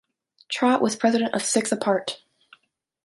Trott was president of Six Apart.